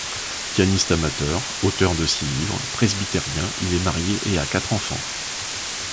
Pianiste amateur, auteur de six livres, presbytérien, il est marié et a quatre enfants.